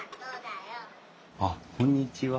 あっこんにちは。